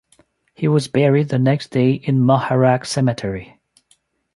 He was buried the next day in Muharraq Cemetery.